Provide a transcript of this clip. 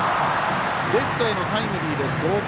レフトへのタイムリーで同点。